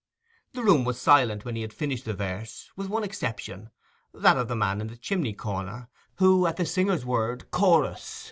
The room was silent when he had finished the verse—with one exception, that of the man in the chimney corner, who, at the singer's word, 'Chorus!